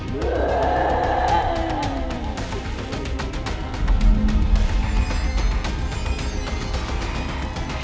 ไปต่อ